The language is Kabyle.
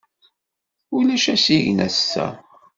Ulac asigna ass-a.